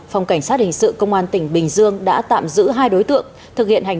phòng cảnh sát hình sự công an tỉnh bình dương đã tạm giữ hai đối tượng